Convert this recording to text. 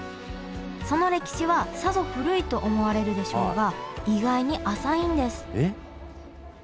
その歴史はさぞ古いと思われるでしょうが意外に浅いんですえっ？